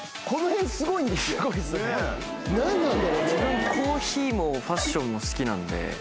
自分コーヒーもファッションも好きなんで。